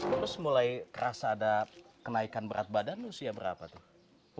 terus mulai kerasa ada kenaikan berat badan usia berapa tuh